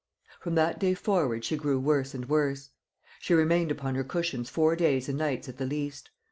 "From that day forward she grew worse and worse. She remained upon her cushions four days and nights at the least.